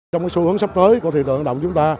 trong xu hướng sắp tới của thị trường lao động chúng ta